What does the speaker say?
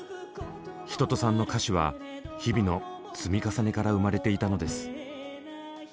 一青さんの歌詞は日々の積み重ねから生まれていたのです。